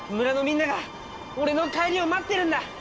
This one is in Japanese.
村のみんなが俺の帰りを待ってるんだ！